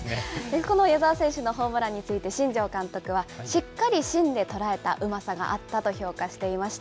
この矢澤選手のホームランについて、新庄監督は、しっかり芯で捉えたうまさがあったと評価していました。